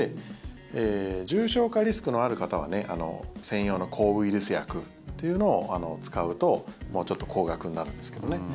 重症化リスクのある方は専用の抗ウイルス薬というのを使うともうちょっと高額になるんですけどね。